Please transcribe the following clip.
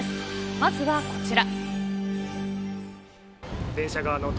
まずはこちら。